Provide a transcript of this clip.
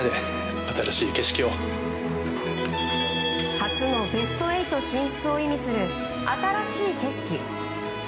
初のベスト８進出を意味する、新しい景色。